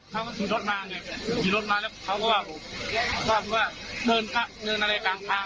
เขาก็ขี่รถมาไงขี่รถมาแล้วเขาก็ว่าเดินอะไรกลางทาง